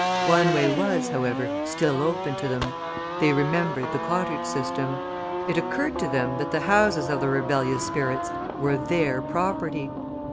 One way was, however, still open to them. They remembered the cottage system; it occurred to them that the houses of the rebellious spirits were THEIR property.